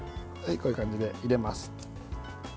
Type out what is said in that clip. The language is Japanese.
こういう感じで入れます。